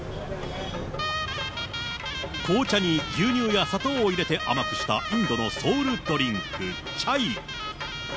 紅茶に牛乳や砂糖を入れて甘くしたインドのソウルドリンク、チャイ。